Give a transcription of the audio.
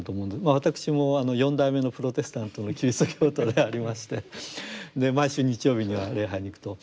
私も４代目のプロテスタントのキリスト教徒でありまして毎週日曜日には礼拝に行くと。